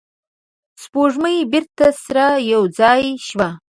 سپوږمۍ بیرته سره یو ځای شوه.